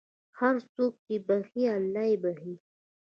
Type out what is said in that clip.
هر څوک چې بښي، الله یې بښي.